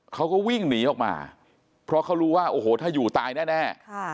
เขาก็วิ่งหนีออกมาเพราะเขารู้ว่าโอ้โหถ้าอยู่ตายแน่